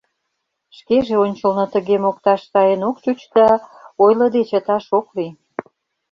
— Шкеж ончылно тыге мокташ сайын ок чуч да, ойлыде чыташ ок лий.